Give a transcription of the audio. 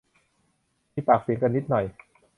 มีปากเสียงกันนิดหน่อย